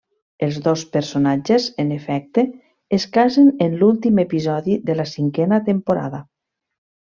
Els dos personatges en efecte, es casen en l'últim episodi de la cinquena temporada.